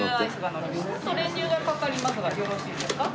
あと練乳がかかりますがよろしいですか？